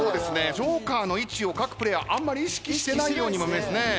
ＪＯＫＥＲの位置を各プレイヤーあんまり意識していないように見えますね。